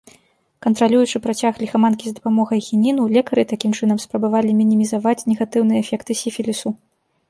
Кантралюючы працяг ліхаманкі з дапамогай хініну, лекары такім чынам спрабавалі мінімізаваць негатыўныя эфекты сіфілісу.